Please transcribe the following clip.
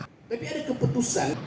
tapi ada keputusan